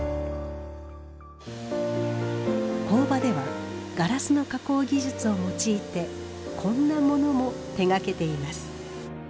工場ではガラスの加工技術を用いてこんなものも手がけています。